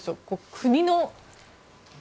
国の。